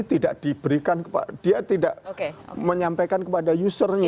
tidak diberikan kepada dia tidak menyampaikan kepada usernya